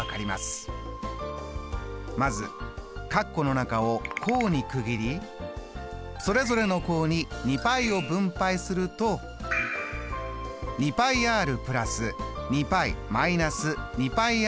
まず括弧の中を項に区切りそれぞれの項に２πを分配するとあっ６．。